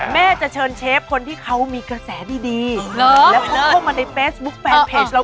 แม่จะเชิญเชฟคนที่เขามีกระแสดีแล้วเขาเข้ามาในเฟซบุ๊คแฟนเพจเรา